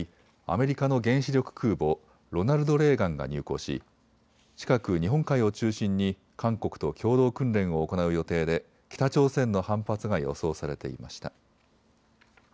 アメリカの原子力空母ロナルド・レーガンが入港し近く日本海を中心に韓国と共同訓練を行う予定で北朝鮮の反発が予想されていました。